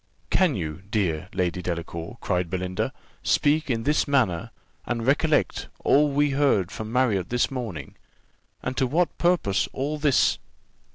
"Can you, dear Lady Delacour," cried Belinda, "speak in this manner, and recollect all we heard from Marriott this morning? And to what purpose all this?"